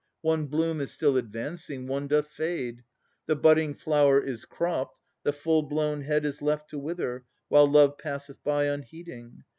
One bloom is still advancing, one doth fade. The budding flower is cropped, the full blown head Is left to wither, while love passeth by Unheeding.